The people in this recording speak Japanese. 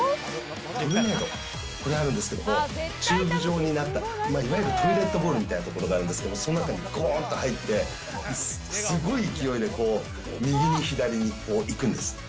トルネード、これなんですけど、チューブ状になった、いわゆるホールみたいな所があるんですけど、その中にごーっと入って、すごい勢いで、右に左にいくんですね。